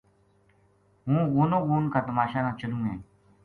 ہوں غونو غون کا تماشا نا چلوں ہے